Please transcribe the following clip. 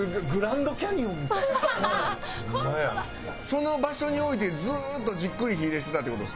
その場所に置いてずっとじっくり火入れしてたって事ですか？